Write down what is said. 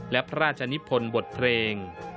และพระราชนิพลบทเพลง